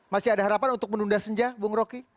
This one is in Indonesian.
masih ada harapan untuk menunda senja bung roky